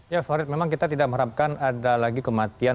ya farid memang kita tidak mengharapkan ada lagi kematian